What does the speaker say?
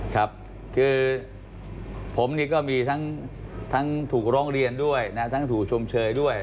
ครับคือผมนี่ก็มีทั้งถูกร้องเรียนด้วยนะทั้งถูกชมเชยด้วย